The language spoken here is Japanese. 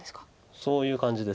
そういう感じです。